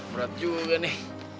merat juga nih